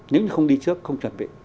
nếu như không đi trước không chuẩn bị